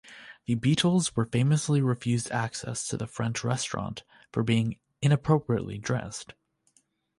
The Beatles were famously refused access to the French Restaurant for being "inappropriately dressed".